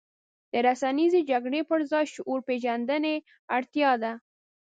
د رسنیزې جګړې پر ځای شعور پېژندنې اړتیا ده.